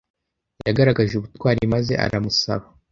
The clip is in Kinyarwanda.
Yagaragaje ubutwari maze aramusaba.